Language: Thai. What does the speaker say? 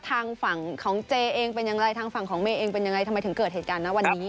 ทางฝั่งของเจเองเป็นอย่างไรทางฝั่งของเมย์เองเป็นยังไงทำไมถึงเกิดเหตุการณ์นะวันนี้